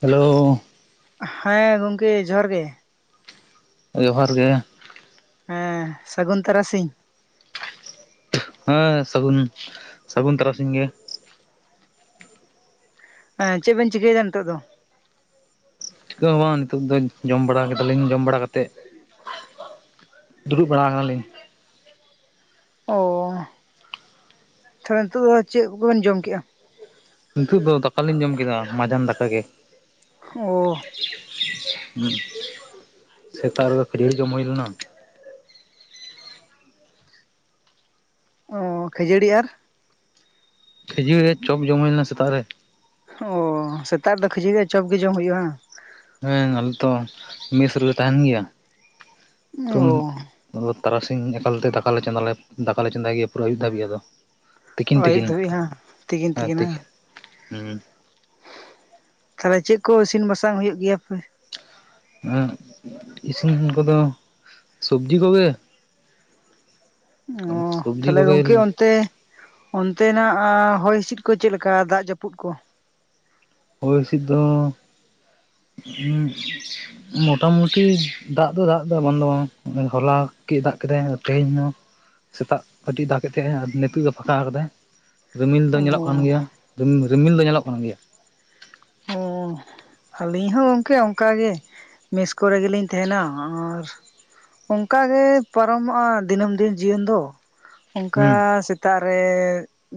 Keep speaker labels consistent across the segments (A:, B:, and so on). A: Hello
B: ᱦᱮᱸ ᱜᱚᱢᱠᱮ ᱡᱚᱦᱟᱨ ᱜᱮ᱾
A: ᱡᱚᱦᱟᱨ ᱜᱮ᱾
B: ᱦᱮᱸ ᱥᱟᱹᱜᱩᱱ ᱛᱟᱨᱟᱥᱤᱧ᱾
A: ᱦᱮᱸ ᱥᱟᱹᱜᱩᱱ ᱥᱟᱹᱜᱩᱱ ᱛᱟᱨᱟᱥᱤᱧ ᱜᱮ᱾
B: ᱦᱮᱸ ᱪᱮᱫ ᱵᱮᱱ ᱪᱤᱠᱟᱹᱭᱟ ᱱᱤᱛᱚᱜ ᱫᱚ?
A: ᱪᱤᱠᱟᱹᱜ ᱦᱚᱸ ᱵᱟᱝ ᱱᱤᱛᱚᱜ ᱫᱚ ᱡᱚᱢ ᱵᱟᱲᱟ ᱠᱮᱫᱟᱞᱤᱧ ᱡᱚᱢ ᱵᱟᱲᱟ ᱠᱟᱛᱮᱫ ᱫᱩᱲᱩᱵ ᱵᱟᱲᱟ ᱠᱟᱱᱟᱞᱤᱧ᱾
B: ᱚ ᱛᱟᱦᱚᱞᱮ ᱱᱤᱛᱚᱜ ᱫᱚ ᱪᱮᱫ ᱠᱚᱵᱮᱱ ᱡᱚᱢ ᱠᱮᱟ?
A: ᱱᱤᱛᱚᱜ ᱫᱚ ᱫᱟᱠᱟ ᱞᱤᱧ ᱡᱚᱢ ᱠᱮᱫᱟ ᱢᱟᱡᱟᱱ ᱫᱟᱠᱟ ᱜᱮ᱾
B: ᱚᱦᱻ
A: ᱥᱮᱛᱟᱜ ᱨᱮᱫᱚ ᱠᱷᱟᱹᱡᱟᱹᱲᱤ ᱡᱚᱢ ᱦᱩᱭ ᱞᱮᱱᱟ᱾
B: ᱚ ᱠᱷᱟᱹᱡᱟᱹᱲᱤ ᱟᱨ
A: ᱠᱷᱟᱹᱡᱟᱹᱲᱤ ᱟᱨ ᱪᱚᱯ ᱡᱚᱢ ᱦᱩᱭ ᱞᱮᱱᱟ ᱥᱮᱛᱟᱜ ᱨᱮ᱾
B: ᱚ ᱥᱮᱛᱟᱜ ᱨᱮᱫᱚ ᱠᱷᱟᱹᱡᱟᱹᱲᱤ ᱟᱨ ᱪᱚᱯ ᱜᱮ ᱡᱚᱢ ᱦᱩᱭᱩᱜᱼᱟ᱾
A: ᱦᱮᱸ ᱟᱞᱮ ᱛᱚ ᱢᱮᱥ ᱨᱮᱞᱮ ᱛᱟᱦᱮᱱ ᱜᱮᱭᱟ ᱛᱚ
B: ᱚ
A: ᱾ ᱟ ᱛᱟᱨᱟᱥᱤᱧ ᱮᱠᱟᱞᱛᱮ ᱫᱟᱠᱟ ᱪᱮ ᱫᱟᱠᱟ ᱞᱮ ᱪᱚᱸᱫᱟᱭ ᱜᱮᱭᱟ ᱯᱩᱨᱟᱹ ᱦᱩᱭᱩᱯ ᱫᱷᱟᱹᱵᱤᱡ ᱟᱫᱚ᱾ ᱛᱤᱠᱤᱱ
B: ᱟᱹᱭᱩᱵ
A: ᱛᱤᱠᱤᱱ
B: ᱫᱷᱟᱹᱵᱤᱡ ᱦᱟᱸᱜ
A: ᱦᱮᱸ
B: ᱦᱟᱸᱜ
A: ᱛᱤᱠᱤᱱ ᱦᱮᱸ
B: ᱛᱟᱦᱚᱞᱮ ᱪᱮᱫ ᱠᱚ ᱤᱥᱤᱱ ᱵᱟᱥᱟᱝ ᱦᱩᱭᱩᱜ ᱜᱮᱭᱟ ᱯᱮ?
A: ᱮ ᱤᱥᱤᱱ ᱠᱚᱫᱚ ᱥᱚᱵᱡᱤ ᱠᱚᱜᱮ [inaudible]
B: ᱚ
A: ᱥᱚᱵᱽᱡᱤ
B: ᱛᱟᱦᱚᱞᱮ
A: ᱠᱚᱜᱮ
B: ᱜᱚᱝᱠᱮ ᱚᱱᱛᱮ ᱚᱱᱛᱮᱱᱟᱜ ᱦᱚᱭ ᱦᱤᱸᱥᱤᱫ ᱠᱚ ᱪᱮᱫᱞᱮᱠᱟ ᱫᱟᱜ ᱡᱟᱹᱯᱩᱫ ᱠᱚ?
A: ᱦᱚᱭ ᱦᱤᱥᱤᱫ ᱫᱚ ᱢᱚᱴᱟ ᱢᱩᱴᱤᱤ ᱫᱟᱜ ᱫᱚ ᱫᱟᱜ ᱫᱚ ᱵᱟᱝ ᱫᱚ ᱵᱟᱝ ᱦᱚᱞᱟ ᱠᱮᱫ ᱫᱟᱜ ᱠᱮᱫᱟᱭ ᱛᱮᱦᱮᱧ ᱦᱚᱸ ᱥᱮᱛᱟᱜ ᱠᱟᱹᱴᱤᱡ ᱫᱟᱜᱮᱫ ᱛᱟᱦᱮᱸᱜ ᱟᱨ ᱱᱤᱛᱚᱜᱜ ᱫᱚ ᱯᱷᱟᱸᱠᱟᱣ ᱟᱠᱟᱫᱟᱭ᱾ ᱨᱤᱢᱤᱞ ᱫᱚ
B: ᱚ
A: ᱧᱮᱞᱚᱜ ᱠᱟᱱ ᱜᱮᱭᱟ ᱨᱤᱢᱤᱞ ᱫᱚ ᱧᱮᱞᱚᱜ ᱠᱟᱱ ᱜᱮᱭᱟ᱾
B: ᱚ ᱟᱹᱞᱤᱧ ᱦᱚᱸ ᱜᱚᱢᱠᱮ ᱚᱱᱠᱟᱟᱜ ᱜᱮ ᱢᱮᱥ ᱠᱚᱨᱮ ᱜᱮᱞᱤᱧ ᱛᱟᱦᱮᱱᱟ᱾ ᱟᱨ ᱚᱱᱠᱟᱜᱤ ᱯᱟᱨᱚᱢᱚᱜᱼᱟ ᱫᱤᱱᱟᱹᱢ ᱫᱤᱱ ᱡᱤᱭᱚᱱ ᱫᱚ ᱚᱱᱠᱟ
A: ᱦᱩᱸ
B: ᱥᱮᱛᱟᱜ ᱨᱮ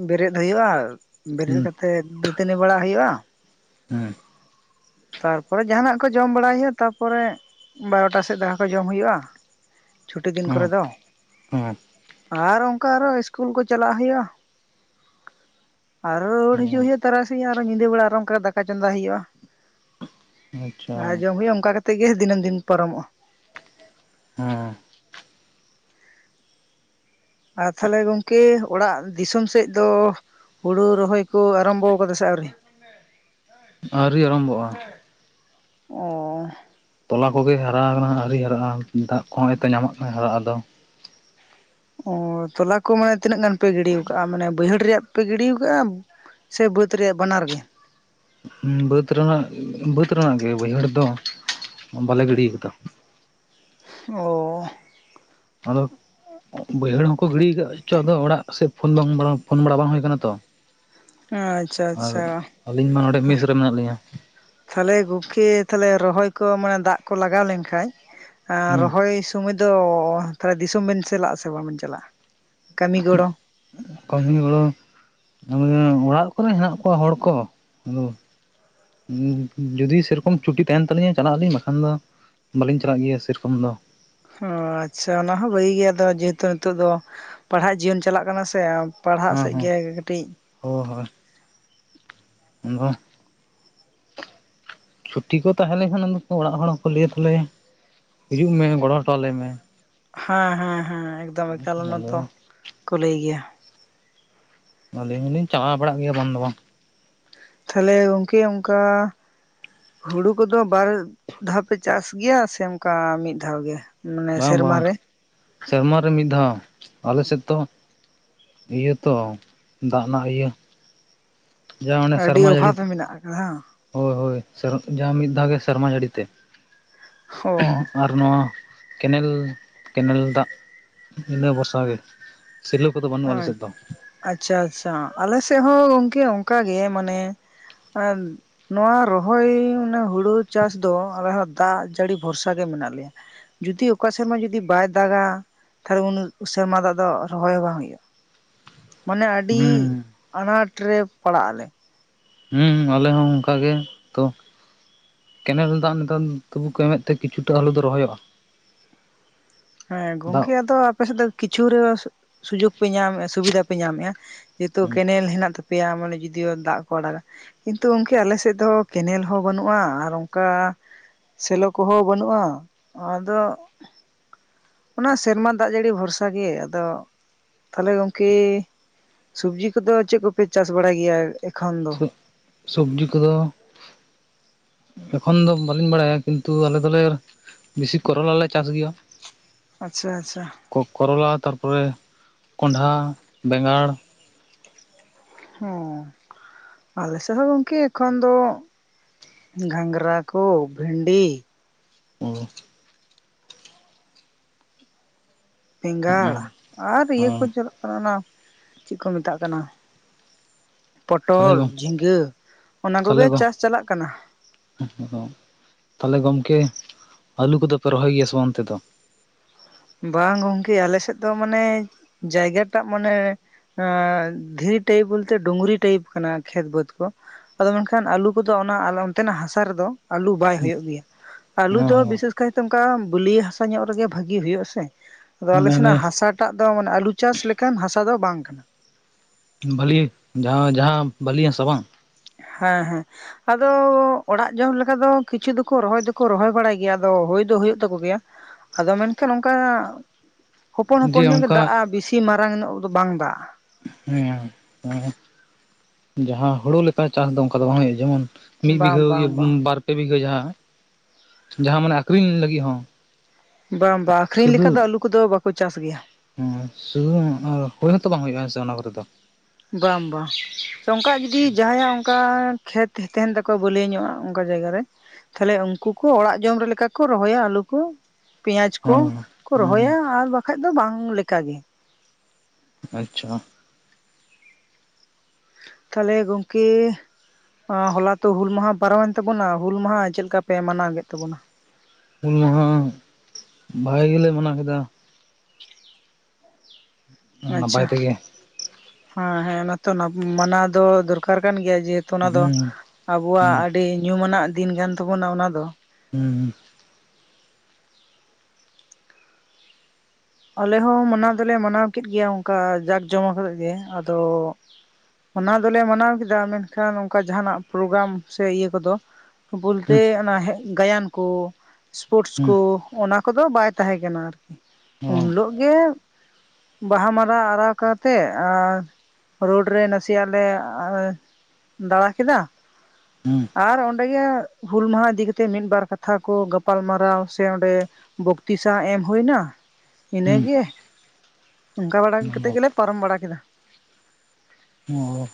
B: ᱵᱮᱨᱮᱫ ᱦᱩᱭᱩᱜᱼᱟ᱾ ᱵᱮᱨᱮᱫ
A: ᱦᱩᱸ
B: ᱠᱟᱛᱮ ᱛᱮᱫ ᱫᱟᱹᱛᱟᱹᱱᱤ ᱵᱟᱲᱟ ᱦᱩᱭᱩᱜᱼᱟ
A: ᱦᱮᱸ
B: ᱛᱟᱨᱯᱚᱨᱮ ᱡᱟᱦᱱᱟᱜ ᱠᱚ ᱡᱚᱢ ᱵᱟᱲᱟᱭ ᱦᱩᱭᱩᱜᱼᱟ ᱛᱟᱨᱯᱚᱨᱮ ᱵᱟᱨᱚᱴᱟ ᱥᱮᱫ ᱫᱟᱠᱟ ᱠᱚ ᱡᱚᱢ ᱦᱩᱭᱩᱜᱼᱟ᱾ ᱪᱷᱩᱴᱤ ᱫᱤᱱ ᱠᱚᱨᱮ ᱫᱚ
A: ᱦᱩᱸ
B: ᱟᱨ ᱚᱱᱠᱟ ᱟᱨᱚ ᱤᱥᱠᱩᱞ ᱠᱚ ᱪᱟᱞᱟᱜ ᱦᱩᱭᱩᱜᱼᱟ ᱟᱨᱚ ᱨᱩᱟᱹᱨ ᱦᱤᱡᱩᱜ ᱦᱩᱭᱩᱜ-ᱟ ᱛᱟᱨᱟᱥᱤᱧ ᱟᱨ ᱧᱤᱫᱟᱹ ᱵᱮᱲᱟ ᱟᱨᱦᱚᱸ ᱫᱟᱠᱟ ᱪᱚᱸᱫᱟ ᱦᱩᱭᱩᱜᱼᱟ᱾
A: ᱦᱮᱸ ᱟᱪᱪᱷᱟ
B: ᱟᱨ ᱡᱚᱢ ᱦᱩᱭᱩᱜᱼᱟ ᱚᱱᱠᱟ ᱠᱟᱛᱮᱜ ᱜᱮ ᱫᱤᱱᱟᱹᱢ ᱫᱤᱱ ᱯᱟᱨᱚᱢᱚᱜᱼᱟ᱾
A: ᱦᱳᱸ
B: ᱟᱨ ᱛᱟᱦᱚᱞᱮ ᱜᱚᱝᱠᱮ ᱚᱲᱟᱜ ᱫᱤᱥᱚᱢ ᱥᱮᱫ ᱫᱚ ᱦᱩᱲᱩ ᱨᱚᱦᱚᱭ ᱠᱚ ᱟᱨᱟᱢᱵᱚ ᱟᱠᱟᱫᱟ ᱥᱮ ᱟᱹᱣᱨᱤ
A: ᱟᱹᱣᱨᱤ ᱟᱨᱳᱢᱵᱷᱚᱜᱼᱟ
B: ᱚᱸᱻ
A: ᱛᱟᱞᱟ ᱠᱚᱜᱮ ᱦᱟᱨᱟ ᱟᱠᱟᱱᱟ ᱟᱹᱣᱨᱤ ᱦᱟᱨᱟᱜᱼᱟ ᱫᱟᱜ ᱠᱚᱦᱚᱸ ᱦᱚᱭᱛᱚ ᱧᱟᱢᱟᱜ ᱠᱟᱱᱟ ᱦᱟᱨᱟᱜ ᱟᱫᱚ
B: ᱚᱻ ᱛᱟᱞᱟ ᱠᱚ ᱢᱟᱱᱮ ᱛᱤᱱᱟᱹᱜ ᱜᱟᱱ ᱯᱮ ᱜᱤᱰᱤ ᱟᱠᱟᱜᱼᱟ ᱢᱟᱱᱮ ᱵᱟᱹᱭᱦᱟᱹᱲ ᱨᱮᱭᱟᱜ ᱯᱮ ᱜᱤᱰᱤ ᱟᱠᱟᱫᱼᱟ ᱥᱮ ᱵᱟᱹᱫᱽ ᱨᱮᱭᱟᱜ ᱵᱟᱱᱟᱨ ᱜᱮ
A: ᱵᱟᱹᱫᱽ ᱨᱮᱱᱟᱜ ᱵᱟᱹᱫᱽ ᱨᱮᱱᱟᱜ ᱜᱮ ᱵᱟᱹᱭᱦᱟᱹᱲ ᱫᱚ ᱵᱟᱞᱮ ᱜᱤᱰᱤᱭ ᱠᱟᱫᱟ
B: ᱚ
A: ᱟᱫᱚ ᱵᱟᱹᱭᱦᱟᱹᱲ ᱦᱚᱸᱠᱚ ᱜᱤᱰᱤ ᱟᱠᱟᱫ ᱪᱚ ᱟᱫᱚ ᱚᱲᱟᱜ ᱥᱮᱫ ᱯᱷᱳᱱ ᱵᱟᱝ ᱯᱷᱳᱱ ᱵᱟᱲᱟ ᱵᱟᱝ ᱦᱩᱭ ᱟᱠᱟᱱᱟ ᱛᱚ
B: ᱟᱪᱪᱷᱟ
A: ᱟᱨ
B: ᱟᱪᱪᱷᱟ
A: ᱟᱹᱞᱤᱧ ᱢᱟ ᱱᱚᱸᱰᱮ ᱢᱤᱥ ᱨᱮ ᱢᱮᱱᱟᱜ ᱞᱤᱧᱟᱹ
B: ᱛᱟᱦᱚᱞᱮ ᱜᱚᱢᱠᱮ ᱛᱟᱦᱞᱮ ᱨᱚᱦᱚᱭ ᱠᱚ ᱢᱟᱱᱮ ᱫᱟᱜ ᱠᱚ ᱞᱟᱜᱟᱣ ᱞᱮᱱ ᱠᱷᱟᱡ ᱟᱨ
A: ᱦᱮᱸ
B: ᱨᱚᱦᱚᱭ ᱥᱚᱢᱚᱭ ᱫᱚ ᱛᱟᱦᱚᱞᱮ ᱫᱤᱥᱚᱢ ᱵᱮᱱ ᱪᱟᱞᱟᱜ ᱟᱥᱮ ᱵᱟᱝᱵᱤᱱ ᱪᱟᱞᱟᱜᱼᱟ? ᱠᱟᱹᱢᱤ ᱜᱚᱲᱚ
A: ᱠᱟᱹᱢᱤ ᱜᱚᱲᱚ ᱜᱮ ᱚᱲᱟᱜ ᱠᱚᱨᱮ ᱦᱮᱱᱟᱜ ᱠᱚᱣᱟ ᱦᱚᱲ ᱠᱚ ᱟᱫᱚ ᱡᱩᱫᱤ ᱥᱮ ᱨᱚᱠᱚᱢ ᱪᱷᱩᱴᱤ ᱛᱟᱦᱮᱱ ᱛᱟᱞᱤᱧ-ᱟ ᱪᱟᱞᱟᱜ ᱟᱹᱞᱤᱧ ᱵᱟᱠᱷᱟᱱ ᱫᱚ ᱵᱟᱹᱞᱤᱧ ᱪᱟᱞᱟᱜ ᱜᱮᱭᱟ ᱥᱮᱨᱚᱠᱚᱢ ᱫᱚ
B: ᱚ ᱟᱪᱪᱷᱟ ᱚᱱᱟ ᱦᱚᱸ ᱵᱷᱟᱹᱜᱤ ᱜᱮᱭᱟ ᱫᱚ ᱡᱮᱦᱮᱛᱩ ᱱᱤᱛᱚᱜ ᱫᱚ ᱯᱟᱲᱦᱟᱜ ᱡᱤᱭᱚᱱ ᱪᱟᱞᱟᱜ ᱠᱟᱱᱟ ᱥᱮ ᱯᱟᱲᱦᱟᱜ ᱥᱮᱫ ᱜᱮ ᱠᱟᱹᱴᱤᱡ
A: ᱦᱳ ᱦᱳᱭ ᱟᱫᱚ ᱪᱷᱩᱴᱤ ᱠᱚ ᱛᱟᱦᱮᱸ ᱞᱮᱠᱷᱟᱱ ᱚᱲᱟᱜ ᱦᱚᱲ ᱦᱚᱸᱠᱚ ᱞᱟᱹᱭᱟ ᱛᱟᱦᱞᱮ ᱦᱤᱡᱩᱜ ᱢᱮ ᱜᱚᱲᱚ ᱦᱚᱴᱚ ᱟᱞᱮ ᱢᱮ
B: ᱦᱟᱸ ᱦᱮᱸ ᱦᱮᱸ ᱮᱠᱫᱚᱢ ᱮᱠᱟᱞ ᱚᱱᱟ
A: ᱟᱫᱚ
B: ᱛᱚ ᱞᱟᱹᱭ ᱜᱮᱭᱟ᱾
A: ᱟᱞᱤᱧ ᱞᱤᱧ ᱪᱟᱞᱟᱣ ᱵᱟᱲᱟᱜ ᱜᱮᱭᱟ ᱵᱟᱝ ᱫᱚ ᱵᱟᱝ
B: ᱛᱟᱦᱞᱮ ᱜᱚᱝᱠᱮ ᱚᱱᱠᱟ ᱦᱩᱲᱩ ᱠᱚ-ᱫᱚ ᱵᱟᱨ ᱫᱷᱟᱣ ᱯᱮ ᱪᱟᱥ ᱜᱮᱭᱟ ᱥᱮ ᱚᱱᱠᱟ ᱢᱤᱫ ᱫᱷᱟᱣ ᱜᱮ? ᱢᱟᱱᱮ
A: ᱵᱟᱝ
B: ᱥᱮᱨᱢᱟ
A: ᱵᱟᱝ
B: ᱨᱮ
A: ᱥᱮᱨᱢᱟ ᱨᱮ ᱢᱤᱫ ᱫᱷᱟᱣ ᱟᱞᱮ ᱥᱮᱫ ᱛᱚ ᱤᱭᱟᱹ ᱛᱚ ᱫᱟᱜ ᱮᱱᱟᱜ ᱤᱭᱟᱹ ᱡᱟ ᱚᱱᱮ
B: ᱟᱹᱰᱤ
A: ᱥᱮᱨᱢᱟ ᱡᱟᱹᱲᱤ
B: ᱚᱵᱷᱟᱵᱽ ᱢᱮᱱᱟᱜ ᱟᱠᱟᱫᱟ
A: ᱦᱳᱭ ᱦᱳᱭ ᱡᱟ ᱢᱤᱫ ᱫᱷᱟᱣ ᱜᱮ ᱥᱮᱨᱢᱟ ᱡᱟᱹᱲᱤ ᱛᱮ
B: ᱚ
A: ᱟ ᱱᱚᱣᱟ ᱠᱮᱱᱮᱞ, ᱠᱮᱱᱮᱞ ᱫᱟᱜ ᱤᱱᱟᱹ ᱵᱷᱚᱨᱥᱟ ᱜᱮ᱾ ᱥᱤᱨᱭᱟᱹ ᱠᱚᱫᱚ ᱵᱟᱹᱱᱩᱜᱼᱟ ᱟᱞᱮᱥᱮᱫ ᱫᱚ᱾
B: ᱟᱪᱪᱷᱟ ᱟᱪᱪᱷᱟ ᱟᱞᱮ ᱥᱮᱫ ᱦᱚᱸ ᱜᱚᱝᱠᱮ ᱚᱱᱠᱟ ᱜᱮ ᱢᱟᱱᱮ ᱱᱚᱣᱟ ᱨᱚᱦᱚᱭ ᱚᱱᱟ ᱦᱩᱲᱩ ᱪᱟᱥ ᱫᱚ ᱟᱞᱮ ᱦᱚᱸ ᱫᱟᱜ ᱡᱟᱹᱲᱤ ᱵᱷᱚᱨᱥᱟ ᱜᱮ ᱢᱮᱱᱟᱜ ᱞᱮᱭᱟ ᱡᱩᱫᱤ ᱚᱠᱟ ᱥᱮᱨᱢᱟ ᱡᱩᱫᱤ ᱵᱟᱭ ᱫᱟᱜᱟ ᱛᱟᱦᱚᱞᱮ ᱩᱱ ᱥᱮᱨᱢᱟ ᱫᱟᱜ ᱫᱚ ᱨᱚᱦᱚᱭ ᱦᱚᱸ ᱵᱟᱝ ᱦᱳᱭᱳᱼᱟ᱾ ᱢᱟᱱᱮ ᱟᱹᱰᱤ
A: ᱦᱩᱸ
B: ᱟᱱᱟᱴ ᱨᱮ ᱯᱟᱲᱟᱜ ᱟᱞᱮ
A: ᱦᱳᱸ ᱟᱞᱮ ᱦᱚᱸ ᱚᱱᱠᱟ ᱜᱮ ᱛᱚ ᱠᱮᱱᱮᱞ ᱫᱟᱜ ᱱᱮᱛᱚᱱ ᱛᱳᱵᱩ ᱠᱚ ᱮᱢᱮᱫ ᱛᱮ ᱠᱤᱪᱷᱩᱴᱟ ᱟᱞᱩ ᱫᱚ ᱨᱚᱦᱚᱭᱚᱜᱼᱟ᱾
B: ᱦᱮᱸ
A: ᱫᱟᱜ
B: ᱜᱚᱝᱠᱮ ᱟᱫᱚ ᱟᱯᱮ ᱥᱮᱫ ᱫᱚ ᱠᱤᱪᱷᱩᱨᱮ ᱥᱩᱡᱳᱜ ᱯᱮ ᱧᱟᱢᱮᱫᱼᱟ ᱥᱩᱵᱤᱫᱷᱟ ᱯᱮ ᱧᱟᱢᱮᱜᱼᱟ᱾ ᱡᱚᱛᱚ ᱠᱮᱱᱮᱞ ᱦᱮᱱᱟᱜ ᱛᱟᱯᱮᱭᱟ ᱢᱟᱱᱮ ᱡᱩᱫᱤᱭᱳ ᱫᱟᱜ ᱠᱚ ᱟᱲᱟᱜ-ᱟ᱾ ᱠᱤᱱᱛᱩ ᱜᱚᱢᱠᱮ ᱟᱞᱮ ᱥᱮᱫ ᱫᱚ ᱠᱮᱱᱮᱞ ᱦᱚᱸ ᱵᱟᱹᱱᱩᱜᱼᱟ ᱟᱨ ᱚᱱᱠᱟ ᱥᱮᱞᱳ ᱠᱚᱦᱚᱸ ᱵᱟᱹᱱᱩᱜᱼᱟ, ᱟᱫᱚ ᱚᱱᱟ ᱥᱮᱨᱢᱟ ᱫᱟᱜ ᱡᱟᱹᱲᱤ ᱵᱷᱚᱨᱥᱟ ᱜᱮ, ᱟᱫᱚ ᱛᱟᱦᱚᱞᱮ ᱜᱚᱝᱠᱮ ᱥᱚᱵᱡᱤ ᱠᱚᱫᱚ ᱪᱮᱫ ᱠᱚᱯᱮ ᱪᱟᱥ ᱵᱟᱲᱟᱭ ᱜᱮᱭᱟ ᱮᱠᱷᱚᱱ ᱫᱚ?
A: ᱥᱚᱵᱽᱡᱤ ᱠᱚᱫᱚ ᱮᱠᱷᱚᱱ ᱫᱚ ᱵᱟᱹᱞᱤᱧ ᱵᱟᱲᱟᱭᱟ ᱠᱤᱱᱛᱩ ᱟᱞᱮ ᱫᱚᱞᱮ ᱵᱮᱥᱤ ᱠᱚᱨᱚᱞᱟ ᱞᱮ ᱪᱟᱥ ᱜᱮᱭᱟ᱾
B: ᱟᱪᱪᱷᱟ ᱪᱷᱟ᱾
A: ᱠᱚ ᱠᱚᱨᱚᱞᱟ ᱛᱟᱨᱯᱚᱨᱮ ᱠᱚᱸᱰᱷᱟ, ᱵᱮᱸᱜᱟᱲ
B: ᱦᱩᱸ ᱟᱞᱮ ᱥᱮᱫ ᱦᱚᱸ ᱜᱚᱝᱠᱮ ᱮᱠᱷᱚᱱ ᱫᱚ ᱜᱷᱟᱸᱜᱨᱟ ᱠᱚ ᱵᱷᱤᱱᱰᱤ
A: ᱚ᱾
B: ᱵᱮᱸᱜᱟᱲ
A: ᱦᱮᱸ
B: ᱟᱨ ᱤᱭᱟᱹ ᱠᱚ ᱪᱟᱞᱟᱜ ᱠᱟᱱᱟ ᱚᱱᱟ ᱪᱮᱫ ᱠᱚ ᱢᱮᱛᱟᱜ ᱠᱟᱱᱟ᱾
A: ᱛᱟᱦᱚᱞᱮ
B: ᱯᱚᱴᱚᱞ
A: ᱜᱚ
B: ᱡᱷᱤᱸᱜᱟᱹ ᱚᱱᱟ ᱠᱚᱜᱮ
A: ᱛᱟᱦᱚᱞᱮ ᱜᱚ
B: ᱪᱟᱥ ᱪᱟᱞᱟᱜ ᱠᱟᱱᱟ᱾
A: [unintelligible] ᱛᱟᱦᱚᱞᱮ ᱜᱚᱝᱠᱮ ᱟᱹᱞᱩ ᱠᱚᱫᱚ ᱯᱮ ᱨᱚᱦᱚᱭ ᱜᱮᱭᱟ ᱥᱮ ᱵᱟᱝ ᱚᱱᱛᱮ ᱫᱚ?
B: ᱵᱟᱝ ᱜᱚᱢᱠᱮ ᱟᱞᱮᱥᱮᱫ ᱫᱚ ᱢᱟᱱᱮ ᱡᱟᱭᱜᱟᱴᱟᱜ ᱢᱟᱱᱮ ᱮᱸ ᱫᱷᱤᱨᱤ ᱴᱟᱭᱤᱯ ᱵᱚᱞᱛᱮ ᱰᱩᱝᱨᱤ ᱴᱟᱭᱤᱯ ᱠᱟᱱᱟ ᱠᱷᱮᱛ ᱵᱟᱹᱫᱽ ᱠᱚ᱾ ᱟᱫᱚ ᱢᱮᱱᱠᱷᱟᱱ ᱟᱞᱩ ᱠᱚᱫᱚ ᱚᱱᱟ ᱚᱱᱛᱮᱱᱟᱜ ᱦᱟᱥᱟ ᱨᱮᱫᱚ, ᱟᱞᱩ ᱵᱟᱭ ᱦᱩᱭᱩᱜ ᱜᱮᱭᱟ ᱟᱞᱩ
A: ᱦᱮᱸ
B: ᱫᱚ
A: ᱦᱮᱸ
B: ᱵᱤᱥᱮᱥ ᱠᱟᱭᱛᱮ ᱚᱱᱠᱟ ᱵᱟᱹᱞᱤᱭᱟᱹ ᱦᱟᱥᱟ ᱧᱚᱜ ᱨᱮᱜᱮ ᱵᱷᱟᱜᱤ ᱦᱩᱭᱩᱜᱼᱟ᱾ ᱥᱮ ᱟᱫᱚ ᱟᱞᱮ
A: ᱢᱟᱱᱮ
B: ᱥᱮᱱᱟᱜ
A: ᱚᱱᱮ
B: ᱦᱟᱥᱟᱴᱟᱜ ᱫᱚ ᱢᱟᱱᱮ ᱟᱞᱩ ᱪᱟᱥ ᱞᱮᱠᱟᱱ ᱦᱟᱥᱟ ᱫᱚ ᱵᱟᱝ ᱠᱟᱱᱟ᱾
A: ᱵᱟᱹᱞᱤ ᱡᱟᱦᱟᱸ ᱡᱟᱦᱟᱸ ᱵᱟᱹᱞᱤᱭᱟᱥᱟ ᱵᱟᱝ?
B: ᱦᱮᱸ ᱦᱮᱸ᱾ ᱟᱫᱚ ᱚᱲᱟᱜ ᱡᱚᱢ ᱞᱮᱠᱟ ᱫᱚ ᱠᱤᱪᱷᱩ ᱫᱚᱠᱚ ᱨᱚᱦᱚᱭ ᱫᱚᱠᱚ ᱨᱚᱦᱚᱭ ᱵᱟᱲᱟᱭ ᱜᱮᱭᱟ ᱟᱫᱚ ᱦᱩᱭ ᱫᱚ ᱦᱩᱭᱩᱜ ᱛᱟᱠᱚ ᱜᱮᱭᱟ᱾ ᱟᱫᱚ ᱢᱮᱱᱠᱷᱟᱱ ᱚᱱᱠᱟᱱᱟᱜ
A: ᱡᱮ
B: ᱦᱚᱯᱚᱱ-ᱦᱚᱯᱚᱱ ᱧᱚᱜ ᱜᱮ
A: ᱚᱱᱠᱟ
B: ᱫᱟᱜᱼᱟ ᱵᱤᱥᱤ ᱢᱟᱨᱟᱝ ᱧᱚᱜ ᱫᱚ ᱵᱟᱝ ᱫᱟᱜᱼᱟ᱾
A: ᱦᱮᱸ ᱦᱮᱸ ᱡᱟᱦᱟᱸ ᱦᱩᱲᱩ ᱞᱮᱠᱟ ᱪᱟᱥ ᱫᱚ ᱚᱱᱠᱟ ᱫᱚ ᱵᱟᱝ ᱦᱩᱭᱩᱜᱼᱟ ᱡᱮᱢᱚᱱ ᱢᱤᱫ
B: ᱵᱟᱝ
A: ᱵᱤᱜᱷᱟᱹ
B: ᱵᱟᱝ ᱵᱟᱝ
A: ᱵᱟᱨ ᱯᱮ ᱵᱤᱜᱷᱟᱹ ᱡᱟᱦᱟᱸ ᱡᱟᱦᱟᱸ ᱢᱟᱱᱮ ᱟᱠᱷᱨᱤᱧ ᱞᱟᱹᱜᱤᱫ ᱦᱚᱸ
B: ᱵᱟᱝ ᱵᱟᱝ ᱟᱠᱷᱨᱤᱧ ᱞᱮᱠᱟ ᱫᱚ ᱟᱹᱞᱩ ᱠᱚᱫᱚ ᱵᱟᱠᱚ ᱪᱟᱥ ᱜᱮᱭᱟ᱾
A: ᱦ ᱥᱩ ᱦᱳᱭ ᱦᱚᱸᱛᱚ ᱵᱟᱝ ᱦᱩᱭᱩᱜᱼᱟ ᱦᱮᱸᱥ ᱚᱱᱟ ᱠᱚᱨᱮ ᱫᱚ?
B: ᱵᱟᱝ ᱵᱟᱝ᱾ ᱥᱮ ᱚᱱᱠᱟ ᱡᱩᱚᱫᱤ ᱡᱟᱦᱟᱸᱭᱟᱜ ᱚᱱᱠᱟ ᱠᱷᱮᱛ ᱛᱟᱦᱮᱱ ᱛᱟᱠᱚᱣᱟ ᱵᱟᱹᱞᱟᱹᱭᱟᱹ ᱧᱚᱜᱼᱟ ᱚᱱᱠᱟ ᱡᱟᱭᱜᱟᱟᱨ ᱨᱮ, ᱛᱟᱦᱚᱞᱮ ᱩᱱᱠᱩ ᱠᱚ ᱚᱲᱟᱜ ᱡᱚᱢ ᱨᱮ ᱞᱮᱠᱟ ᱠᱚ ᱨᱚᱦᱚᱭᱟ ᱟᱞᱩ ᱠᱚ᱾ ᱯᱮᱸᱭᱟᱡᱽ ᱠᱚ,
A: ᱦᱮᱸ
B: ᱠᱚ ᱨᱚᱦᱚᱭᱟ
A: ᱦᱮᱸ
B: ᱟᱨ ᱵᱟᱠᱷᱟᱡ ᱫᱚ ᱵᱟᱝ ᱞᱮᱠᱟᱜᱮ᱾
A: ᱟᱪᱪᱷᱟ᱾
B: ᱛᱟᱦᱚᱞᱮ ᱜᱚᱢᱠᱮ ᱮᱸ ᱦᱚᱞᱟ ᱛᱚ ᱦᱩᱞ ᱢᱟᱦᱟ ᱯᱟᱨᱚᱢᱮᱱ ᱛᱟᱵᱚᱱᱟ, ᱦᱩᱞ ᱢᱟᱦᱟ ᱪᱮᱫ ᱞᱮᱠᱟ ᱯᱮ ᱢᱟᱱᱟᱣ ᱠᱮᱫ ᱛᱟᱵᱚᱱᱟ?
A: ᱦᱩᱞ ᱢᱟᱦᱟ ᱵᱷᱟᱜᱮ ᱜᱮᱞᱮ ᱢᱟᱱᱟᱣ ᱠᱮᱫᱟ᱾
B: ᱟᱪᱪᱷᱟ
A: ᱱᱟᱯᱟᱭ ᱛᱮᱜᱮ
B: ᱦᱮᱸ ᱦᱮᱸ ᱚᱱᱟᱛᱚ ᱢᱟᱱᱟᱣ ᱫᱚ ᱫᱚᱨᱠᱟᱨ ᱠᱟᱱ ᱜᱮᱭᱟ᱾ ᱡᱮᱦᱮᱛᱩ ᱚᱱᱟ ᱫᱚ
A: ᱦᱩᱸ
B: ᱟᱵᱚᱣᱟᱜ
A: ᱦᱩᱸ
B: ᱟᱹᱰᱤ ᱧᱩᱢᱟᱱᱟᱜ ᱫᱤᱱ ᱠᱟᱱ ᱛᱟᱵᱚᱱᱟ ᱚᱱᱟ ᱫᱚ᱾
A: ᱦᱩᱸᱻ
B: ᱟᱞᱮ ᱦᱚᱸ ᱢᱟᱱᱟᱣ ᱫᱚᱞᱮ ᱢᱟᱱᱟᱣ ᱠᱮᱫ ᱜᱮᱭᱟ ᱚᱱᱠᱟ ᱡᱟᱸᱠ ᱡᱚᱢᱚᱠ ᱠᱟᱛᱮᱫ ᱜᱮ, ᱟᱫᱚ ᱚᱱᱟ ᱫᱚᱞᱮ ᱢᱟᱱᱟᱣ ᱠᱮᱫᱟ ᱢᱮᱱᱠᱷᱟᱱ ᱚᱱᱠᱟ ᱡᱟᱦᱟᱱᱟᱜ ᱯᱨᱳᱜᱨᱟᱢ ᱥᱮ ᱤᱭᱟᱹ ᱠᱚᱫᱚ᱾
A: ᱦᱩᱸ
B: ᱵᱳᱞᱛᱮ ᱚᱱᱟ ᱜᱟᱭᱟᱱ ᱠᱚ ᱥᱯᱳᱨᱴᱥ
A: ᱦᱩᱸ
B: ᱠᱚ, ᱚᱱᱟ ᱠᱚᱫᱚ ᱵᱟᱭ ᱛᱟᱦᱮᱸ ᱠᱟᱱᱟ ᱟᱨᱠᱤ᱾
A: ᱚ
B: ᱩᱱ ᱦᱤᱞᱳ ᱜᱮ ᱵᱟᱦᱟ ᱢᱟᱨᱟᱣ ᱟᱨᱟᱣ ᱠᱟᱛᱮᱜ ᱟᱨ ᱨᱳᱰ ᱨᱮ ᱱᱟᱥᱮᱭᱟᱜ ᱞᱮ ᱫᱟᱬᱟ ᱠᱮᱫᱟ,
A: ᱦᱩᱸ᱾
B: ᱟᱨ ᱚᱸᱰᱮ ᱜᱮ ᱦᱩᱞ ᱢᱟᱦᱟ ᱤᱫᱤ ᱠᱟᱛᱮᱫ ᱢᱤᱫ ᱵᱟᱨ ᱠᱟᱛᱷᱟ ᱠᱚ ᱜᱟᱯᱟᱞ ᱢᱟᱨᱟᱣ ᱥᱮ, ᱚᱸᱰᱮ ᱵᱚᱠᱛᱤᱥᱟ ᱮᱢ ᱦᱩᱭ ᱱᱟ᱾ ᱤᱱᱟᱹᱜᱮ ᱚᱱᱠᱟ ᱵᱟᱲᱟ
A: ᱦᱩᱸ
B: ᱠᱟᱛᱮᱫ ᱜᱮᱞᱮ ᱯᱟᱨᱚᱢ ᱵᱟᱲᱟ ᱠᱮᱫᱟ᱾
A: ᱚᱸᱻ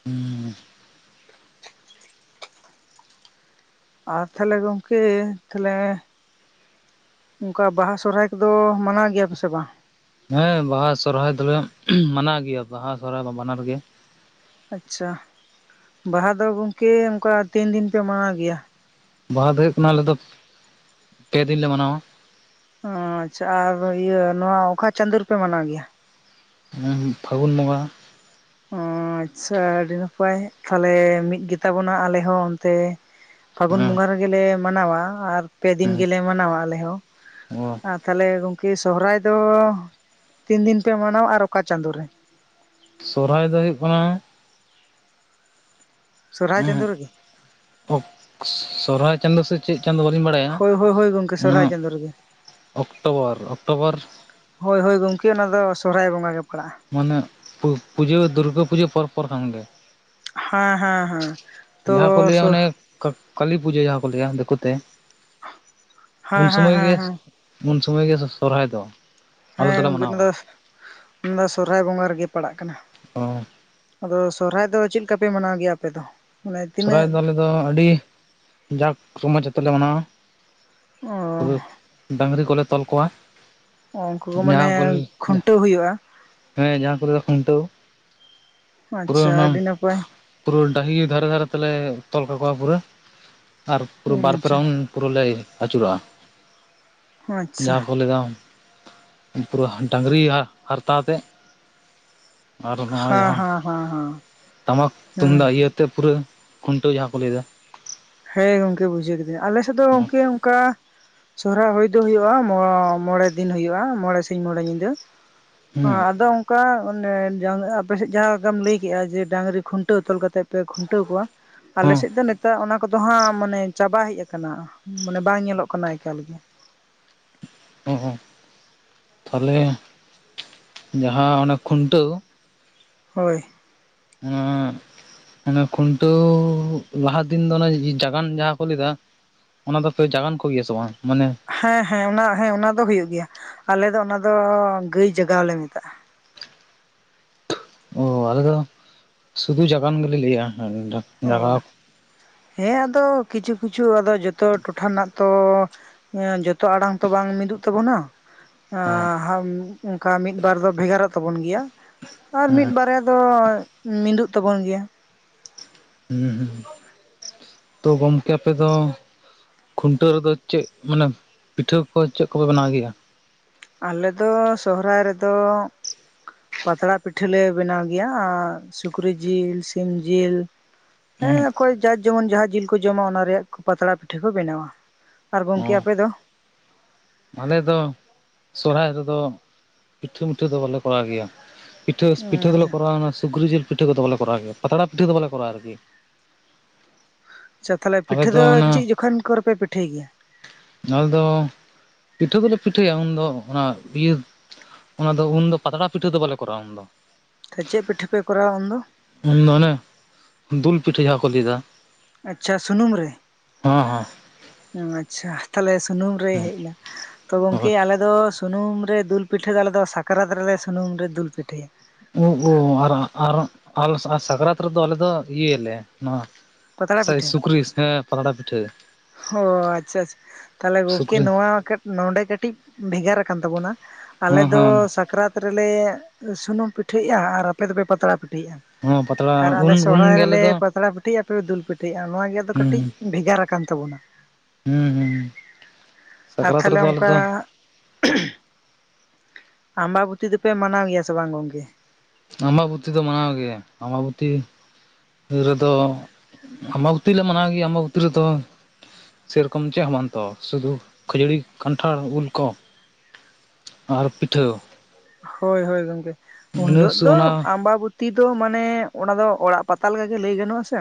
A: [unintelligible]
B: ᱟᱨ ᱛᱟᱦᱚᱞᱮ ᱜᱚᱝᱠᱮ, ᱛᱟᱦᱚᱞᱮ ᱚᱱᱠᱟ ᱵᱟᱦᱟ ᱥᱚᱨᱦᱟᱭ ᱠᱚᱫᱚ ᱢᱟᱱᱟᱣ ᱜᱮᱭᱟ ᱯᱮ ᱥᱮ ᱵᱟᱝ?
A: ᱦᱮᱸ ᱵᱟᱦᱟ ᱥᱚᱨᱦᱟᱭ ᱫᱚᱞᱮ ᱢᱟᱱᱟᱣ ᱜᱮᱭᱟ, ᱵᱟᱦᱟ ᱥᱚᱨᱦᱟᱭ ᱢᱟ ᱵᱟᱱᱟᱨ ᱜᱮ
B: ᱟᱪᱷᱟ, ᱵᱟᱦᱟ ᱫᱚ ᱜᱚᱝᱠᱮ ᱚᱱᱠᱟ ᱛᱤᱱ ᱫᱤᱱ ᱯᱮ ᱢᱟᱱᱟᱣ ᱜᱮᱭᱟ?
A: ᱵᱟᱦᱟ ᱫᱚ ᱦᱩᱭᱩᱜ ᱠᱟᱱᱟ ᱟᱞᱮ ᱫᱚ ᱯᱮ ᱫᱤᱱ ᱞᱮ ᱢᱟᱱᱟᱣᱟ᱾
B: ᱦᱚᱸ ᱟᱪᱷᱟ ᱟᱨ ᱤᱭᱟᱹ ᱱᱚᱣᱟ ᱚᱠᱟ ᱪᱟᱸᱫᱳ ᱨᱮ ᱯᱮ ᱢᱟᱱᱟᱣ ᱜᱮᱭᱟ?
A: ᱟᱸᱜ ᱯᱷᱟᱹᱜᱩᱱ ᱵᱚᱸᱜᱟ
B: ᱚᱸ ᱟᱪᱷᱟ ᱟᱹᱰᱤ ᱱᱟᱯᱟᱭ ᱛᱟᱦᱚᱞᱮ ᱢᱤᱫ ᱜᱮᱵᱚᱱᱟ, ᱟᱞᱮ ᱦᱚᱸ ᱛᱮ ᱯᱷᱟᱹᱜᱩᱱ
A: ᱦᱮᱸ
B: ᱵᱚᱸᱜᱟ ᱨᱮᱜᱮᱞᱮ ᱢᱟᱱᱟᱣᱟ ᱟᱨ ᱯᱮ ᱫᱤᱱ
A: ᱦᱮᱸ
B: ᱜᱮᱞᱮ ᱢᱟᱱᱟᱣᱟ ᱟᱞᱮ ᱦᱚᱸ
A: ᱚ
B: ᱟ ᱛᱟᱦᱚᱞᱮ ᱜᱚᱝᱠᱮ ᱥᱚᱦᱚᱨᱟᱭ ᱫᱚ ᱛᱤᱱ ᱫᱤᱱ ᱯᱮ ᱢᱟᱱᱟᱣᱟ ᱟᱨ ᱚᱠᱟ ᱪᱟᱸᱫᱳ ᱨᱮ᱾
A: ᱥᱚᱨᱦᱟᱭ ᱫᱚ ᱦᱩᱭᱩᱜ ᱠᱟᱱᱟ
B: ᱥᱚᱨᱦᱟᱭ ᱪᱟᱸᱫᱳ ᱨᱮᱜᱤ?
A: ᱚᱜ ᱥᱚ ᱥᱚᱨᱦᱟᱭ ᱪᱟᱸᱫᱳ ᱥᱮᱫ ᱪᱮᱫ ᱪᱟᱸᱫᱚ ᱵᱟᱹᱞᱤᱧ ᱵᱟᱲᱟᱭᱟ
B: ᱦᱳᱭ ᱦᱳᱭ ᱦᱳᱭ ᱜᱚᱢᱠᱮ
A: ᱚᱸᱱᱟ
B: ᱥᱚᱨᱦᱟᱭ ᱪᱟᱸᱫᱳ ᱨᱮᱜᱮ
A: ᱚᱠᱴᱚᱵᱚᱨ, ᱚᱠᱴᱚᱵᱚᱨ
B: ᱦᱳᱭ ᱦᱳᱭ ᱜᱚᱝᱠᱮ ᱚᱱᱟ ᱫᱚ ᱥᱚᱨᱦᱟᱭ ᱵᱚᱸᱜᱟ ᱜᱮ ᱯᱟᱲᱟᱜ-ᱟ᱾
A: ᱢᱟᱱᱮ ᱯᱩᱡᱟᱹ ᱫᱩᱨᱜᱟᱹ ᱯᱩᱡᱟᱹ ᱯᱚᱨ ᱯᱚᱨ ᱠᱷᱟᱱ ᱜᱮ᱾
B: ᱦᱮᱸ ᱦᱮᱸ ᱦᱮᱸ᱾ ᱛᱚ
A: ᱡᱟᱦᱟᱸ ᱠᱚ ᱞᱟᱹᱭᱟ
B: ᱥᱚ
A: ᱚᱱᱮ ᱠᱟᱹ ᱠᱟᱹᱞᱤ ᱯᱩᱡᱟᱹ ᱡᱟᱦᱟᱸ ᱠᱚ ᱞᱟᱹᱭᱟ ᱫᱤᱠᱩ ᱛᱮ᱾ ᱩᱱ
B: ᱦᱮᱸ ᱦᱮᱸ
A: ᱥᱚᱢᱚᱭ
B: ᱦᱮᱸ
A: ᱜᱮ,
B: ᱦᱮᱸ
A: ᱩᱱ ᱥᱚᱢᱚᱭ ᱜᱮ ᱥᱚᱨᱦᱟᱭ ᱫᱚ᱾ ᱟᱞᱮ
B: ᱦᱮᱸ
A: ᱫᱚᱞᱮ
B: ᱜᱚᱝᱠᱮ
A: ᱢᱟᱱᱟᱣᱟ
B: ᱱᱚᱣᱟ ᱫᱚ ᱥᱚᱨᱦᱟᱭ ᱵᱚᱸᱜᱟ ᱨᱮᱜᱮ ᱯᱟᱲᱟᱜ ᱠᱟᱱᱟ᱾
A: ᱚ
B: ᱟᱫᱚ ᱥᱚᱨᱦᱟᱭ ᱫᱚ ᱪᱮᱫ ᱞᱮᱠᱟᱯᱮ ᱢᱟᱱᱟᱣ ᱜᱮᱭᱟ ᱟᱯᱮ ᱫᱚ? ᱢᱟᱱᱮ
A: ᱥᱚᱨᱦᱟᱭ
B: ᱛᱤᱱᱟᱹᱜ
A: ᱫᱚ ᱟᱞᱮ ᱫᱚ ᱟᱹᱰᱤ ᱡᱟᱠ ᱥᱚᱢᱟᱡᱽ ᱟᱛᱮᱫ ᱞᱮ ᱢᱟᱱᱟᱣᱟ᱾
B: ᱚ
A: ᱯᱩᱨᱟᱹ ᱰᱟᱝᱨᱤ ᱠᱚᱞᱮ ᱛᱚᱞ ᱠᱚᱣᱟ᱾
B: ᱩᱱᱠᱩ ᱢᱟᱱᱮ
A: ᱡᱟᱦᱟᱸ ᱠᱚ
B: ᱠᱷᱩᱱᱴᱟᱹᱣ ᱦᱩᱭᱩᱜ-ᱟ᱾
A: ᱦᱮᱸ ᱡᱟᱦᱟᱸ ᱠᱚᱨᱮ ᱫᱚ ᱠᱷᱩᱱᱴᱟᱹᱣ ᱯᱩᱨᱟᱹᱣ,
B: ᱟᱪᱪᱷᱟ
A: ᱱᱟᱢ
B: ᱟᱹᱰᱤ ᱱᱟᱯᱟᱭ
A: ᱯᱩᱨᱟᱹ ᱰᱟᱹᱦᱤ ᱫᱷᱟᱨᱮ ᱫᱷᱟᱨᱮ ᱛᱮᱞᱮ ᱛᱚᱞ ᱠᱟᱠᱚᱣᱟ ᱯᱩᱨᱟᱹ ᱟᱨ ᱯᱩᱨᱟᱹ ᱵᱟᱨᱯᱮ
B: ᱟᱪᱪᱷᱟ
A: ᱨᱚᱝ ᱯᱩᱨᱟᱹ ᱞᱮ ᱟᱹᱪᱩᱨᱚᱜ-ᱟ
B: ᱟᱪᱪᱷᱟ
A: ᱡᱟᱦᱟᱸ ᱠᱚ ᱞᱮᱫᱟ ᱯᱩᱨᱟᱹ ᱦᱟ ᱰᱟᱝᱨᱤ ᱦᱟ ᱦᱟᱨᱛᱟᱛᱮᱜ᱾ ᱟᱨ ᱱᱚᱜ-ᱚᱭ
B: ᱦᱮᱸ
A: ᱡᱟᱦᱟᱸ
B: ᱦᱮᱸ ᱦᱮᱸ ᱦᱮᱸ
A: ᱴᱟᱢᱟᱠ
B: ᱦᱮᱸ
A: ᱛᱩᱢᱫᱟᱜ ᱤᱭᱟᱹ ᱛᱮ ᱯᱩᱨᱟᱹ ᱠᱷᱩᱱᱴᱟᱹᱣ ᱡᱟᱦᱟᱸ ᱠᱚ ᱞᱟᱹᱭ ᱫᱟ᱾
B: ᱦᱮᱸ ᱜᱚᱝᱠᱮ ᱵᱩᱡᱷᱟᱹᱣ ᱠᱤᱫᱟᱹᱧ, ᱟᱞᱮ ᱥᱮᱫ ᱫᱚ ᱜᱚᱝᱠᱮ ᱚᱱᱠᱟ ᱥᱚᱦᱨᱟᱭ ᱦᱩᱭ ᱫᱚ ᱦᱩᱭᱩᱜ-ᱟ ᱢᱚᱬᱮ ᱫᱤᱱ ᱢᱚᱬᱮ ᱥᱤᱧ ᱢᱚᱬᱮ ᱧᱤᱫᱟᱹ᱾ ᱦᱚᱸ
A: ᱦᱮᱸ
B: ᱟᱫᱚ ᱚᱱᱠᱟ ᱚᱱᱮ ᱡᱚᱝ ᱟᱯᱮᱥᱮᱫ ᱡᱟᱦᱟᱸ ᱞᱮᱠᱟᱢ ᱞᱟᱹᱭ ᱠᱮᱜ-ᱟ ᱡᱮ ᱰᱟᱹᱝᱨᱤ ᱠᱷᱩᱱᱴᱟᱹᱣ ᱛᱚᱞ ᱠᱟᱛᱮ ᱯᱮ ᱠᱷᱩᱱᱴᱟᱹᱣ ᱠᱚᱣᱟ, ᱟᱞᱮ
A: ᱦᱚᱸ
B: ᱥᱮᱫ ᱫᱚ ᱱᱮᱛᱟ ᱚᱱᱟ ᱠᱚᱫᱚ ᱦᱟᱸᱜ ᱢᱟᱱᱮ ᱪᱟᱵᱟ ᱦᱮᱡ ᱟᱠᱟᱱᱟ ᱢᱟᱱᱮ ᱵᱟᱝ ᱧᱮᱞᱚᱜ ᱠᱟᱱᱟ ᱮᱠᱟᱞ ᱜᱮ᱾
A: ᱦᱚᱸ ᱦᱚᱸ ᱛᱷᱟᱞᱮ ᱡᱟᱦᱟᱸ ᱚᱱᱟ ᱠᱷᱩᱱᱴᱟᱹᱣ
B: ᱦᱳᱭ,
A: [unintelligible] ᱠᱷᱩᱱᱴᱟᱹᱣ ᱞᱟᱦᱟ ᱫᱤᱱ ᱫᱚ ᱚᱱᱮ ᱡᱟᱜᱟᱱ ᱡᱟᱦᱟᱸ ᱠᱚ ᱞᱟᱹᱭᱫᱟ᱾ ᱚᱱᱟ ᱫᱚ ᱯᱮ ᱡᱟᱜᱟᱱ ᱠᱚᱜᱮᱭᱟ ᱥᱮ ᱵᱟᱝ? ᱢᱟᱱᱮ
B: ᱦᱮᱸ ᱦᱮᱸ ᱚᱱᱟ ᱦᱮᱸ ᱚᱱᱟ ᱫᱚ ᱦᱩᱭᱩᱜ ᱜᱮᱭᱟ, ᱟᱞᱮᱫᱚ ᱚᱱᱟ ᱫᱚ ᱜᱟᱹᱭ ᱡᱟᱜᱟᱣ ᱞᱮ ᱢᱮᱛᱟᱜ-ᱟ᱾
A: ᱚ ᱟᱞᱮ ᱫᱚ ᱥᱩᱫᱷᱩ ᱡᱟᱜᱟᱱ ᱜᱮᱞᱮ ᱞᱟᱹᱭᱟ [inaudible] ᱡᱟᱜᱟᱣ
B: ᱚ ᱦᱮᱸ ᱟᱫᱚ ᱠᱤᱪᱷᱩ ᱠᱤᱪᱷᱩ ᱟᱫᱚ ᱡᱷᱚᱛᱚ ᱴᱚᱴᱷᱟ ᱨᱮᱱᱟᱜ ᱛᱚ ᱮᱸ ᱡᱚᱛᱚ ᱟᱲᱟᱝ ᱛᱚ ᱵᱟᱝ ᱢᱤᱫᱚᱜ ᱛᱟᱵᱚᱱᱟ᱾
A: ᱦᱮᱸ
B: ᱮᱸᱻ ᱚᱱᱠᱟ ᱢᱤᱫ ᱵᱟᱨ ᱫᱚ ᱵᱷᱮᱜᱟᱨᱚᱜ ᱛᱟᱵᱚᱱ ᱜᱮᱭᱟ᱾ ᱟᱨ ᱢᱤᱫ
A: ᱦᱮᱸ
B: ᱵᱟᱨᱭᱟ ᱫᱚ ᱢᱤᱫᱚᱜ ᱛᱟᱵᱩᱱ ᱜᱮᱭᱟ᱾
A: ᱦᱩᱸ ᱦᱩᱸ ᱛᱚ ᱜᱚᱢᱠᱮ ᱟᱯᱮ ᱫᱚ ᱠᱷᱩᱱᱴᱟᱹᱣ ᱨᱮᱫᱚ ᱪᱮᱫ ᱢᱟᱱᱮ ᱯᱤᱴᱷᱟᱹ ᱠᱚ ᱪᱮᱫ ᱠᱚᱯᱮ ᱵᱮᱱᱟᱣ ᱜᱮᱭᱟ?
B: ᱟᱞᱮᱫᱚ ᱥᱚᱦᱨᱟᱭ ᱨᱮᱫᱚ ᱯᱟᱛᱲᱟ ᱯᱤᱴᱷᱟᱹᱞᱮ ᱵᱮᱱᱟᱣ ᱜᱮᱭᱟ, ᱟᱸ ᱥᱩᱠᱨᱤ ᱡᱤᱞ, ᱥᱤᱢ ᱡᱤᱞ
A: ᱦᱩᱸ
B: ᱦᱮᱸ ᱚᱠᱚᱭ ᱡᱟ ᱡᱮᱢᱚᱱ ᱡᱟᱦᱟᱸ ᱡᱤᱞ ᱠᱚ ᱡᱚᱢᱟ ᱚᱱᱟ ᱨᱮᱭᱟᱜ ᱯᱟᱛᱲᱟ ᱯᱤᱴᱷᱟᱹ ᱠᱚ ᱵᱮᱱᱟᱣᱟ᱾ ᱟᱨ
A: ᱚ
B: ᱜᱚᱢᱠᱮ ᱟᱯᱮ ᱫᱚ?
A: ᱟᱞᱮ ᱫᱚ ᱥᱚᱨᱦᱟᱭ ᱨᱮᱫᱚ ᱯᱤᱴᱷᱟᱹ ᱢᱤᱴᱷᱟᱹ ᱫᱚ ᱵᱟᱞᱮ ᱠᱚᱨᱟᱣ ᱜᱮᱭᱟ᱾ ᱯᱤᱷᱴᱟᱹᱥ ᱯᱤᱴᱷᱟᱹ ᱫᱚᱞᱮ
B: ᱟᱪᱪᱷᱟ
A: ᱠᱚᱨᱟᱣᱟ᱾ ᱱᱚᱣᱟ ᱥᱩᱠᱨᱤ ᱡᱤᱞ ᱯᱤᱴᱷᱟᱹ ᱠᱚᱫᱚ ᱵᱟᱞᱮ ᱠᱚᱨᱟᱣᱟ ᱜᱮᱭᱟ᱾ ᱯᱟᱛᱲᱟ ᱯᱤᱴᱟᱹ ᱫᱚᱵᱟᱞᱮ ᱠᱚᱨᱟᱣᱟ ᱟᱨᱠᱤ᱾
B: ᱟᱪᱪᱷᱟ ᱛᱟᱦᱚᱞᱮ
A: ᱟᱞᱮ
B: ᱯᱤᱴᱷᱟᱹ ᱫᱚ
A: ᱚᱱᱟ
B: ᱪᱮᱫ ᱡᱚᱠᱷᱟᱱ ᱠᱚᱨᱮ ᱯᱮ ᱯᱤᱴᱷᱟᱹᱭ ᱜᱮᱭᱟ?
A: ᱟᱞᱮ ᱫᱚ ᱯᱤᱴᱷᱟᱹ ᱫᱚᱞᱮ ᱯᱤᱴᱷᱟᱹᱭᱟ ᱩᱱ ᱫᱚ ᱚᱱᱟ ᱤᱭᱟᱹ ᱚᱱᱟᱫᱚ ᱩᱱᱫᱚ ᱯᱟᱛᱲᱟ ᱯᱤᱴᱷᱟᱹ ᱫᱚ ᱵᱟᱞᱮ ᱠᱚᱨᱟᱣᱟ ᱩᱱᱫᱚ᱾
B: ᱪᱮᱫ ᱯᱤᱴᱷᱟᱹ ᱯᱮ ᱠᱚᱨᱟᱣᱟ ᱩᱱᱫᱚ?
A: ᱩᱸ ᱚᱱᱮ ᱫᱩᱞ ᱯᱤᱴᱷᱟᱹ ᱡᱟᱦᱟᱸ ᱠᱚ ᱞᱟᱹᱭᱮᱫᱟ᱾
B: ᱟᱪᱪᱷᱟ ᱥᱩᱱᱩᱢ ᱨᱮ,
A: ᱦᱚᱸ ᱦᱚᱸ,
B: ᱟᱪᱪᱷᱟ ᱛᱟᱦᱞᱮ ᱥᱩᱱᱩᱢ ᱨᱮ
A: ᱦᱮᱸ ᱦᱮᱸ
B: ᱦᱮᱡ ᱮᱱᱟ᱾ ᱛᱚ ᱜᱚᱝᱠᱮ
A: ᱦᱳᱭ
B: ᱟᱞᱮ ᱫᱚ ᱥᱩᱱᱩᱢ ᱨᱮ ᱫᱩᱞᱼᱼ ᱯᱤᱴᱷᱟᱹ ᱫᱚ ᱟᱞᱮᱫᱚ ᱥᱟᱠᱨᱟᱛ ᱨᱮᱞᱮ ᱥᱩᱱᱩᱢ ᱨᱮ ᱫᱩᱞ ᱯᱤᱴᱷᱟᱹᱭᱟ᱾
A: ᱳ ᱦᱳ ᱟᱨ ᱟᱨ ᱟᱞ ᱥᱟᱠᱨᱟᱛ ᱨᱮ ᱫᱚ ᱟᱞᱮ ᱫᱚ ᱤᱭᱟᱹᱭᱟᱞᱮ ᱱᱚᱣᱟ᱾
B: ᱯᱟᱛᱲᱟ
A: ᱥᱟᱭ
B: ᱯᱤᱴᱷᱟᱹ
A: ᱥᱩᱠᱨᱤᱥ ᱦᱮᱸ ᱯᱟᱛᱲᱟ ᱯᱤᱴᱷᱟᱹ
B: ᱦᱚᱻ ᱟᱪᱪᱷᱟ ᱟᱪᱪᱷᱟ ᱛᱟᱦᱚᱞᱮ ᱜᱚᱝᱠᱮ
A: ᱥᱩᱠᱨᱤ
B: ᱱᱚᱣᱟ ᱠᱟᱹ ᱱᱚᱸᱰᱮ ᱠᱟᱹᱴᱤᱡ ᱵᱷᱮᱜᱟᱨ ᱟᱠᱟᱱ ᱛᱟᱵᱚᱱᱟ᱾ ᱟᱞᱮ
A: ᱦᱮᱸ
B: ᱫᱚ
A: ᱦᱮᱸ
B: ᱥᱟᱠᱨᱟᱛ ᱨᱮᱞᱮ ᱥᱩᱱᱩᱢ ᱯᱤᱴᱷᱟᱹᱭᱟ ᱟᱨ ᱟᱯᱮ ᱫᱚᱯᱮ ᱯᱟᱛᱲᱟ ᱯᱤᱴᱷᱼᱼ
A: ᱦᱮᱸ
B: [unintelligible] ᱟᱨ
A: ᱯᱟᱛᱲᱟ
B: ᱟᱞᱮ
A: ᱩᱱ
B: ᱥᱚᱦᱨᱟᱭ
A: ᱩᱱᱜᱮ ᱟᱞᱮ
B: ᱨᱮᱞᱮ
A: ᱫᱚ
B: ᱯᱟᱛᱲᱟ ᱯᱤᱴᱷᱟᱹᱭᱟ᱾ ᱯᱮ ᱫᱩᱞ ᱯᱤᱴᱷᱟᱹᱭᱮᱜ ᱟᱢ ᱱᱚᱣᱟ ᱜᱮ ᱫᱚ ᱠᱟᱹᱴᱤᱡ
A: ᱦᱩᱸ
B: ᱵᱷᱮᱜᱟᱨ ᱟᱠᱟᱱ ᱛᱟᱵᱚᱱᱟ᱾
A: ᱦᱩᱸ ᱦᱩᱸ
B: ᱟᱨ
A: ᱥᱟᱠᱨᱟᱛ
B: ᱛᱟᱦᱞᱮ
A: ᱨᱮᱫᱚ ᱟᱞᱮ
B: ᱚᱱᱠᱟ,
A: ᱫᱚ
B: [inaudible] ᱟᱢᱵᱟᱵᱚᱛᱤ ᱫᱚᱯᱮ ᱢᱟᱱᱟᱣ ᱜᱮᱭᱟ ᱥᱮ ᱵᱟᱝ ᱜᱚᱝᱠᱮ?
A: ᱟᱢᱵᱟᱵᱩᱛᱤ ᱫᱚ ᱢᱟᱱᱟᱣ ᱜᱮ ᱟᱢᱵᱟᱵᱩᱛᱤ ᱨᱮᱫᱚ ᱟᱢᱵᱟᱵᱚᱛᱤ ᱞᱮ ᱢᱟᱱᱟᱣ ᱜᱮᱭᱟ ᱟᱢᱵᱟᱵᱚᱛᱤ ᱨᱮᱫᱚ ᱥᱮᱨᱚᱠᱚᱢ ᱪᱮᱫ ᱦᱚᱸ ᱵᱟᱝ ᱛᱚ ᱥᱩᱫᱩ ᱠᱷᱟᱹᱡᱟᱹᱲᱤ ᱠᱟᱱᱴᱷᱟᱲ ᱩᱞ ᱠᱚ᱾ ᱟᱨ ᱯᱤᱴᱷᱟᱹ,
B: ᱦᱳᱭ ᱦᱳᱭ ᱜᱚᱝᱠᱮ, ᱩᱱ
A: ᱤᱱᱟᱹ
B: ᱞᱚᱜᱷ
A: ᱥᱩ
B: ᱫᱚ
A: ᱚᱱᱟ
B: ᱟᱢᱵᱟᱵᱩᱛᱼᱼ ᱛᱤ ᱛᱚ ᱢᱟᱱᱮ ᱚᱱᱟ ᱫᱚ ᱚᱲᱟᱜ ᱯᱟᱛᱟ ᱞᱮᱠᱟ ᱜᱮ ᱞᱟᱹᱭ ᱜᱟᱱᱚᱜᱼᱟ ᱥᱮ᱾